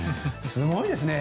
すごいですね。